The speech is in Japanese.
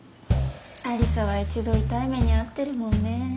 アリサは１度痛い目に遭ってるもんね。